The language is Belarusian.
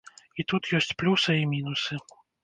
І тут ёсць плюсы і мінусы.